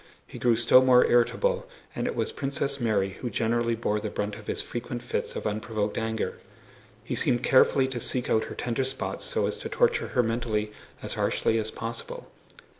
He grew still more irritable, and it was Princess Mary who generally bore the brunt of his frequent fits of unprovoked anger. He seemed carefully to seek out her tender spots so as to torture her mentally as harshly as possible.